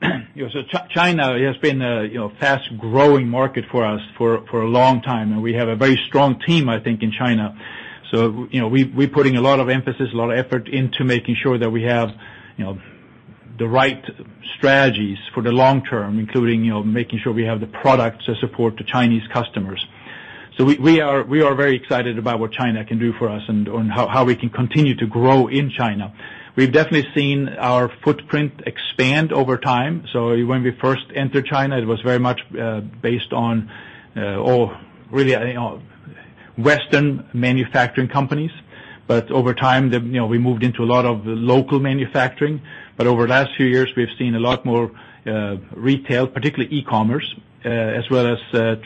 Yeah. China has been a fast-growing market for us for a long time. We have a very strong team, I think, in China. We're putting a lot of emphasis, a lot of effort into making sure that we have the right strategies for the long term, including making sure we have the products to support the Chinese customers. We are very excited about what China can do for us and how we can continue to grow in China. We've definitely seen our footprint expand over time. When we first entered China, it was very much based on Western manufacturing companies. Over time, we moved into a lot of the local manufacturing. Over the last few years, we've seen a lot more retail, particularly e-commerce, as well as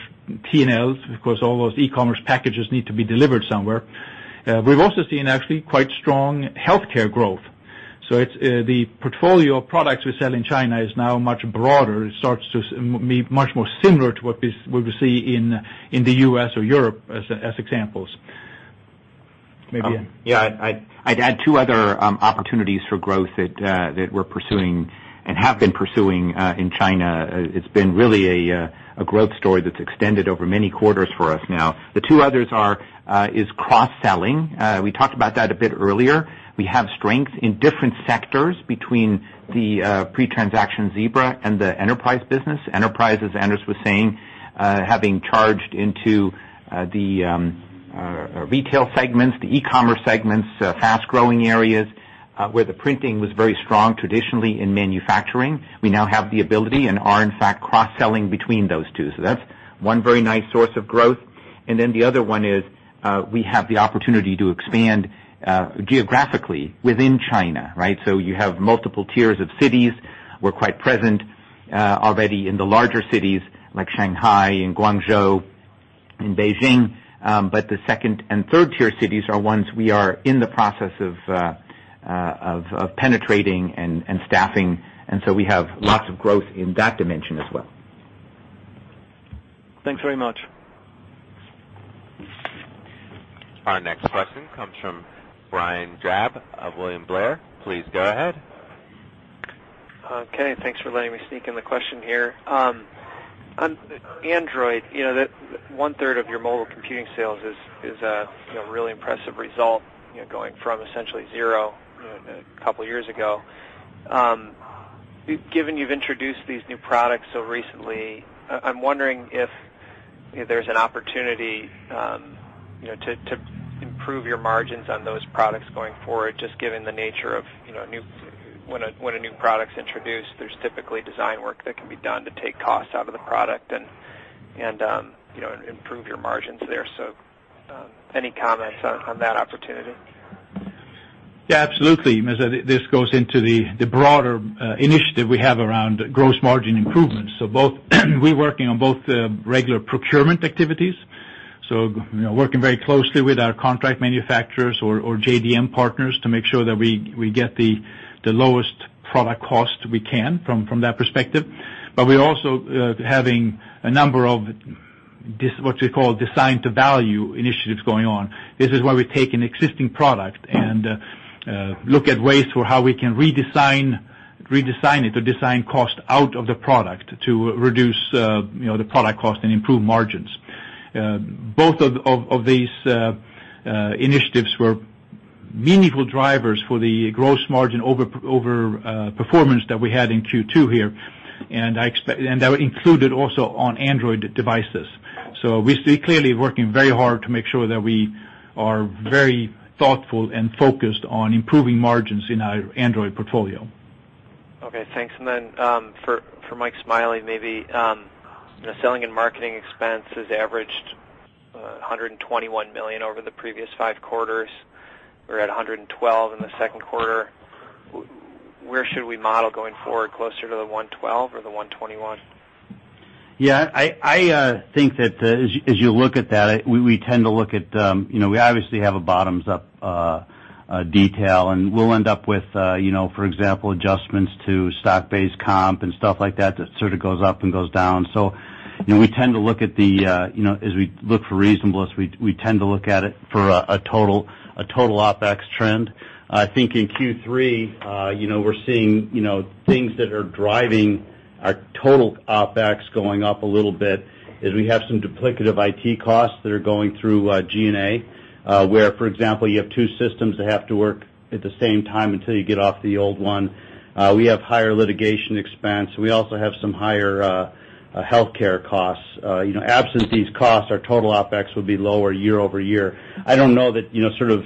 T&Ls, because all those e-commerce packages need to be delivered somewhere. We've also seen actually quite strong healthcare growth. The portfolio of products we sell in China is now much broader. It starts to be much more similar to what we see in the U.S. or Europe as examples. Yeah, I'd add two other opportunities for growth that we're pursuing and have been pursuing in China. It's been really a growth story that's extended over many quarters for us now. The two others are, is cross-selling. We talked about that a bit earlier. We have strength in different sectors between the pre-transaction Zebra and the enterprise business. Enterprise, as Anders was saying, having charged into the retail segments, the e-commerce segments, fast-growing areas, where the printing was very strong traditionally in manufacturing. We now have the ability and are, in fact, cross-selling between those two. That's one very nice source of growth. Then the other one is, we have the opportunity to expand geographically within China, right? You have multiple tiers of cities. We're quite present already in the larger cities like Shanghai and Guangzhou and Beijing. The 2nd and 3rd-tier cities are ones we are in the process of penetrating and staffing, we have lots of growth in that dimension as well. Thanks very much. Our next question comes from Brian Drab of William Blair. Please go ahead. Okay. Thanks for letting me sneak in the question here. On Android, one-third of your mobile computing sales is a really impressive result, going from essentially zero a couple of years ago. Given you've introduced these new products so recently, I'm wondering if there's an opportunity to improve your margins on those products going forward, just given the nature of when a new product's introduced, there's typically design work that can be done to take costs out of the product and improve your margins there. Any comments on that opportunity? Yeah, absolutely. This goes into the broader initiative we have around gross margin improvements. We're working on both the regular procurement activities, working very closely with our contract manufacturers or JDM partners to make sure that we get the lowest product cost we can from that perspective. We're also having a number of what we call design to value initiatives going on. This is where we take an existing product and look at ways for how we can redesign it or design cost out of the product to reduce the product cost and improve margins. Both of these initiatives were meaningful drivers for the gross margin over performance that we had in Q2 here, and that included also on Android devices. We're clearly working very hard to make sure that we are very thoughtful and focused on improving margins in our Android portfolio. Okay, thanks. Then for Mike Smiley, maybe, selling and marketing expenses averaged $121 million over the previous five quarters. We're at $112 in the second quarter. Where should we model going forward, closer to the $112 or the $121? Yeah, I think that as you look at that, we obviously have a bottoms-up detail, and we'll end up with, for example, adjustments to stock-based comp and stuff like that that sort of goes up and goes down. As we look for reasonableness, we tend to look at it for a total OpEx trend. I think in Q3, we're seeing things that are driving our total OpEx going up a little bit, is we have some duplicative IT costs that are going through G&A, where, for example, you have two systems that have to work at the same time until you get off the old one. We have higher litigation expense. We also have some higher healthcare costs. Absent these costs, our total OpEx would be lower year-over-year. I don't know that sort of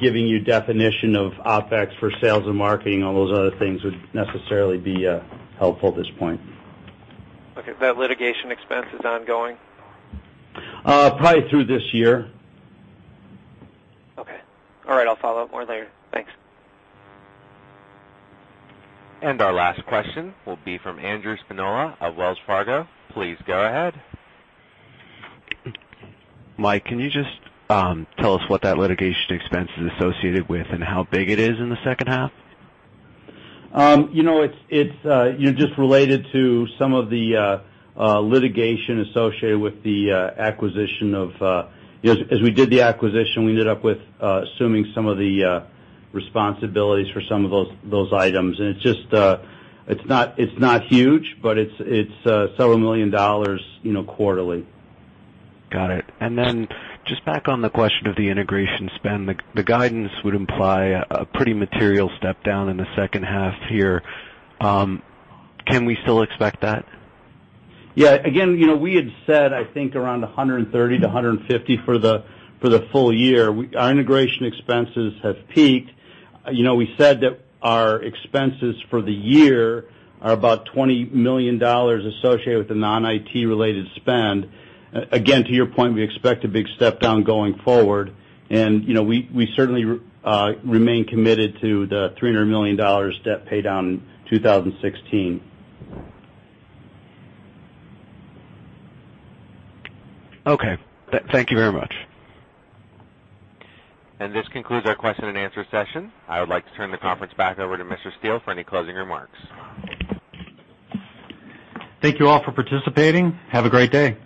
giving you definition of OpEx for sales and marketing, all those other things would necessarily be helpful at this point. Okay. That litigation expense is ongoing? Probably through this year. Okay. All right, I'll follow up more later. Thanks. Our last question will be from Andrew Spinola of Wells Fargo. Please go ahead. Mike, can you just tell us what that litigation expense is associated with and how big it is in the second half? It's just related to some of the litigation associated with the acquisition. As we did the acquisition, we ended up with assuming some of the responsibilities for some of those items. It's not huge, but it's several million dollars quarterly. Got it. Just back on the question of the integration spend, the guidance would imply a pretty material step down in the second half here. Can we still expect that? Yeah. Again, we had said, I think around $130 million to $150 million for the full year. Our integration expenses have peaked. We said that our expenses for the year are about $20 million associated with the non-IT related spend. To your point, we expect a big step down going forward, and we certainly remain committed to the $300 million debt pay down in 2016. Okay. Thank you very much. This concludes our question and answer session. I would like to turn the conference back over to Mr. Steele for any closing remarks. Thank you all for participating. Have a great day.